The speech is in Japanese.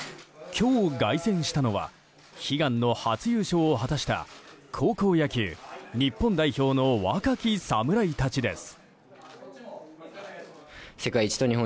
今日、凱旋したのは悲願の初優勝を果たした高校野球、日本代表の若き侍たちです。